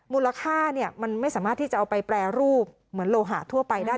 มูลค่ามันไม่สามารถที่จะเอาไปแปรรูปเหมือนโลหะทั่วไปได้